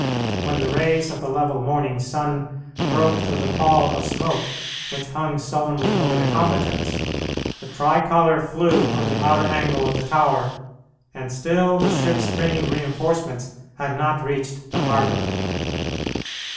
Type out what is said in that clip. When the rays of the level morning sun broke through the pall of smoke which hung sullenly over the combatants, the tricolour flew on the outer angle of the tower, and still the ships bringing reinforcements had not reached the harbour!